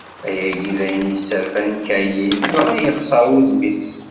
Ayagi d ayen yesserfan Kayin, dɣa yexseṛ wudem-is.